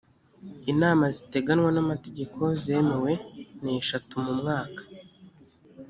inama ziteganywa n’amategeko zemewe ni ashatu mu mwaka